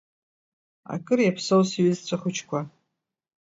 Акыр иаԥсоу сҩызцәа хәыҷқәа!